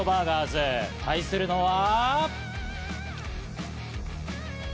対するのは。